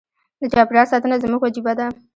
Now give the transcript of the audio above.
د چاپیریال ساتنه زموږ وجیبه ده.